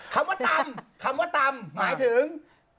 คำว่าตำคำว่าตำหมายถึง